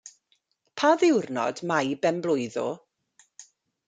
Pa ddiwrnod mae'i ben-blwydd o?